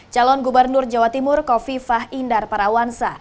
calon gubernur jawa timur kofi fah indar parawansa